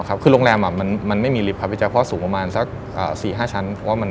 คือโรงแรมมันไม่มีลิฟท์เฉพาะสูงประมาณสัก๔๕ชั้น